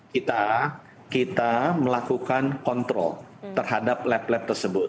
kita kita melakukan kontrol terhadap lab lab tersebut